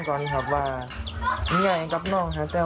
ค่อนข้างว่ารับแรก